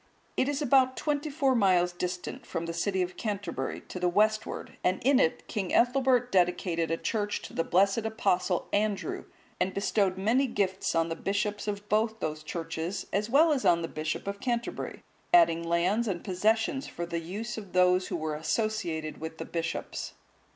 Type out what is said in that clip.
It is about twenty four miles distant from the city of Canterbury to the westward, and in it King Ethelbert dedicated a church to the blessed Apostle Andrew,(177) and bestowed many gifts on the bishops of both those churches, as well as on the Bishop of Canterbury, adding lands and possessions for the use of those who were associated with the bishops.